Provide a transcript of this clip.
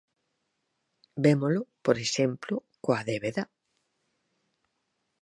Vémolo, por exemplo, coa débeda.